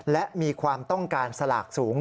และมีความต้องการสลากสูง